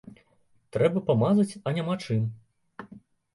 Трэба памазаць, а няма чым.